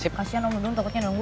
kasian om lo duluan toketnya nunggu